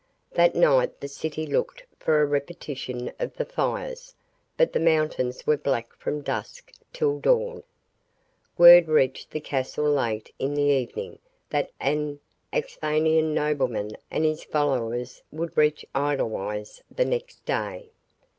That night the city looked for a repetition of the fires, but the mountains were black from dusk till dawn. Word reached the castle late in the evening, from Ganlook, that an Axphainian nobleman and his followers would reach Edelweiss the next day.